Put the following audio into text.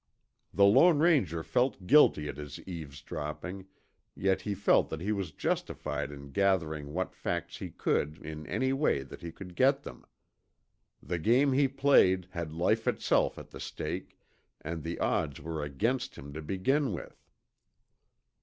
The Lone Ranger felt guilty at his eavesdropping, yet he felt that he was justified in gathering what facts he could in any way that he could get them. The game he played had life itself as the stake, and the odds were against him to begin with.